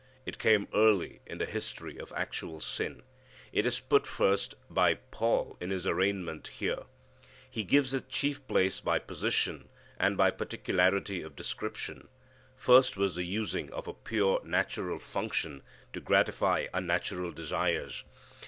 It came early in the history of actual sin. It is put first by Paul in his arraignment here. He gives it chief place by position and by particularity of description. First was the using of a pure, natural function to gratify unnatural desires.